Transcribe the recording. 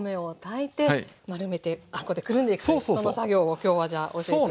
その作業を今日はじゃあ教えて頂く。